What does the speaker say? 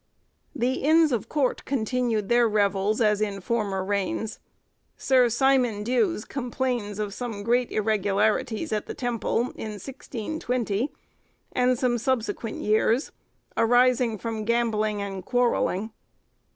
The Inns of Court continued their revels as in former reigns. Sir Simon D'Ewes complains of some great irregularities at the Temple, in 1620, and some subsequent years, arising from gambling and quarrelling.